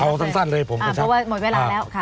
เอาสั้นเลยผมก็ชัด